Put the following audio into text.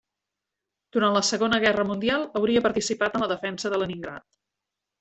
Durant la Segona Guerra Mundial hauria participat en la defensa de Leningrad.